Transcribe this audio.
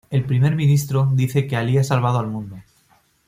El primer ministro dice que Ali ha salvado al mundo.